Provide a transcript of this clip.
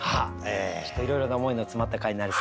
ちょっといろいろな思いの詰まった回になりそうで。